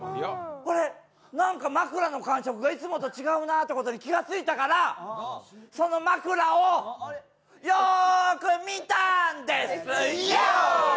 あれ、なんか枕の感触がいつもと違うなってことに気がついたからその枕を、よく見たんですよ！